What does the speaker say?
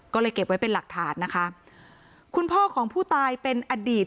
ก็เลยเก็บไว้เป็นหลักฐานนะคะคุณพ่อของผู้ตายเป็นอดีต